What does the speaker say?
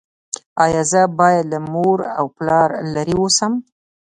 ایا زه باید له مور او پلار لرې اوسم؟